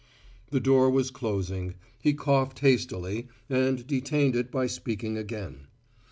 The door was closing; he coughed hastily, and detained it by speaking again.